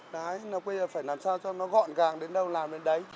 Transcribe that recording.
đấy là bây giờ phải làm sao cho nó gọn gàng đến đâu làm đến đấy